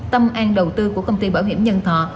tâm an đầu tư của công ty bảo hiểm nhân thọ